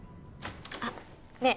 あっねえ